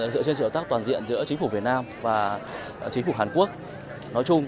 dựa trên sự hợp tác toàn diện giữa chính phủ việt nam và chính phủ hàn quốc nói chung